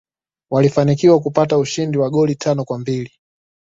walfanikiwa kupata ushindi wa goli tano kwambili